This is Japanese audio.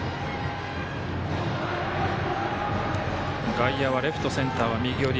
外野はレフト、センター、右寄り。